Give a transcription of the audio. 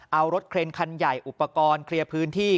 เอารถเครนคันใหญ่อุปกรณ์เคลียร์พื้นที่